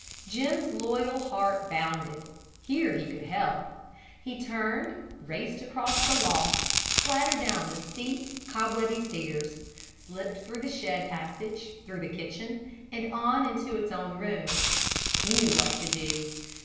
Jim's loyal heart bounded; here he could help. He turned, raced across the loft, clattered down the steep, cobwebby stairs, slipped through the shed passage, through the kitchen, and on into his own room. He knew what to do.